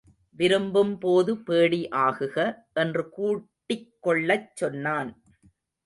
விரும்பும்போது பேடி ஆகுக என்று கூட்டிக் கொள்ளச் சொன்னான்.